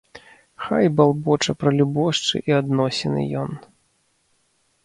Хай балбоча пра любошчы і адносіны ён.